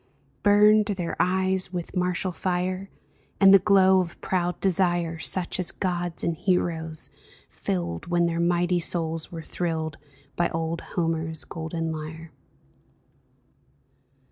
Burned their eyes with martial fire. And the glow of proud desire. Such as gods and hero's filled When their mighty souls were thrilled By old Homer's golden lyre